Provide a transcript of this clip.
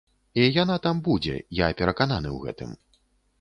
І яна там будзе, я перакананы ў гэтым.